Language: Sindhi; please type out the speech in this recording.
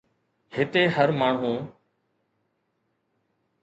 هتي هر ماڻهو